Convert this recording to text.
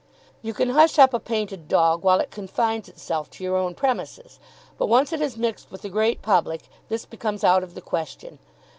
You can hush up a painted dog while it confines itself to your own premises, but once it has mixed with the great public this becomes out of the question.